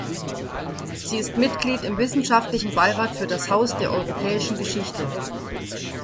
Sie ist Mitglied im Wissenschaftlichen Beirat für das Haus der Europäischen Geschichte.